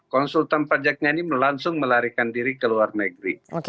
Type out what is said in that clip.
konsultan pajaknya ini langsung melarikan diri ke luar negeri